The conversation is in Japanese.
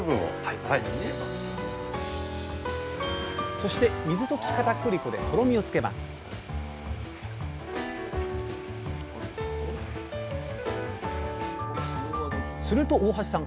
そして水溶きかたくり粉でとろみをつけますすると大橋さん